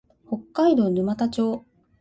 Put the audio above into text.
北海道沼田町